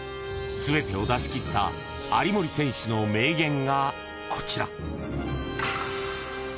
［全てを出し切った有森選手の名言がこちら］